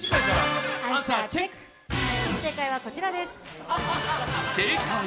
正解はこちらです。